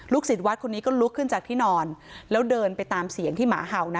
ศิษย์วัดคนนี้ก็ลุกขึ้นจากที่นอนแล้วเดินไปตามเสียงที่หมาเห่านะ